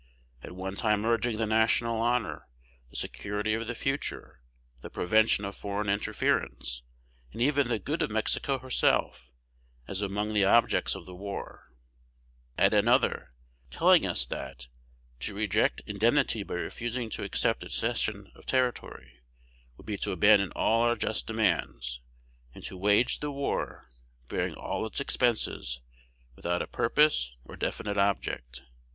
At one time urging the national honor, the security of the future, the prevention of foreign interference, and even the good of Mexico herself, as among the objects of the war; at another, telling us that, "to reject indemnity by refusing to accept a cession of territory, would be to abandon all our just demands, and to wage the war, bearing all its expenses, without a purpose or definite object."